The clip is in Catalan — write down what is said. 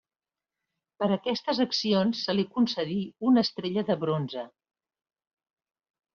Per aquestes accions se li concedí una Estrella de Bronze.